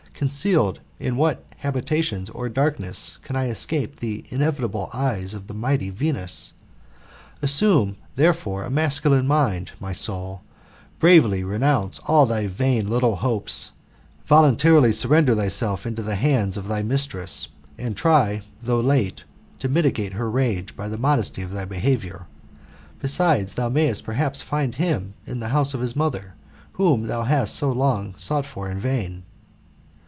Concealed in what habitations or darkness can I escape the inevitable eyes of the mighty Venus ? Assume, therefore, a masculine mind, my soul, bravely renounce all thy vain little hopes, voluntarily surrender thyself into the hands of thy mistress, and try, though late, to mitigate her rage by the modesty of .thy behaviour. Besides, thou mayest perhaps find him in the house of his mother, whom thou hast so long sought for in vain."